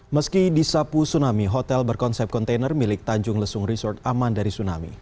meski disapu tsunami hotel berkonsep kontainer milik tanjung lesung resort aman dari tsunami